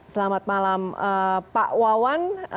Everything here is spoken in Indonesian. selamat malam pak wawan